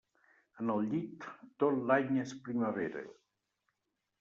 En el llit, tot l'any és primavera.